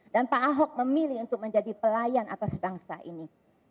dan pak ahok memilih untuk menjadi pelayan atas bangsa ini